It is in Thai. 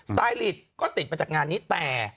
ไตลิตก็ติดมาจากงานนี้แต่